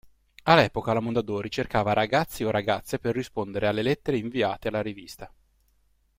All'epoca la Mondadori cercava ragazzi o ragazze per rispondere alle lettere inviate alla rivista.